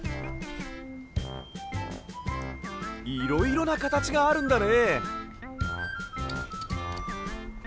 いろいろなかたちがあるんだね！